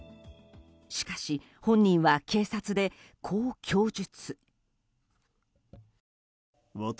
しかし、本人は警察でこう供述。